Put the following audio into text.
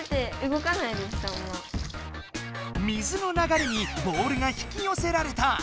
水の流れにボールが引きよせられた！